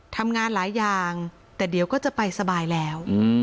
ทำงานหลายอย่างแต่เดี๋ยวก็จะไปสบายแล้ว